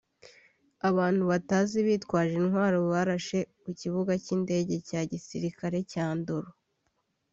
Abantu batazwi bitwaje intwaro barashe ku kibuga cy’indege cya gisirikare cya Ndolo